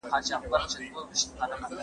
که وخت وي، زدکړه کوم!؟